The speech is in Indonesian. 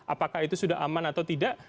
apakah itu sudah aman atau tidak